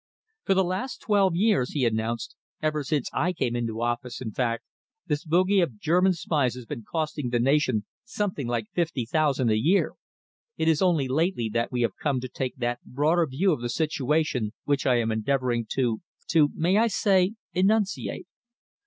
"For the last twelve years," he announced, "ever since I came into office, in fact, this bogey of German spies has been costing the nation something like fifty thousand a year. It is only lately that we have come to take that broader view of the situation which I am endeavouring to to may I say enunciate?